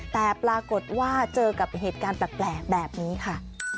แต่ปรากฏว่าเจอกับเหตุการณ์แปลกแบบนี้ค่ะ